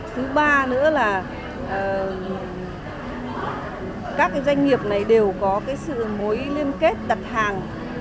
thứ ba nữa là các doanh nghiệp này đều có cái sự mối liên kết đặt hàng